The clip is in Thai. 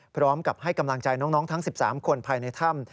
พร้อมกับให้กำลังใจน้องทั้ง๑๓คนภายในถ้ำ